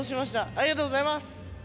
ありがとうございます！